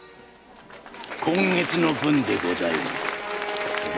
今月の分でございます。